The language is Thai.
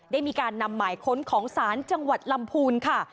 ได้มีการนำหมายค้นของศาลจังหวัดลำพูนค่ะ